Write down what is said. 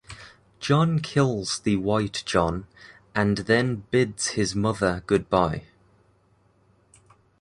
John kills the white John and then bids his mother goodbye.